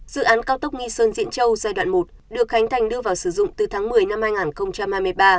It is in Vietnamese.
dự án cao tốc nghi sơn diễn châu giai đoạn một được khánh thành đưa vào sử dụng từ tháng một mươi năm hai nghìn hai mươi ba